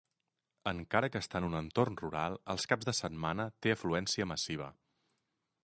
Encara que està en un entorn rural, els caps de setmana té afluència massiva.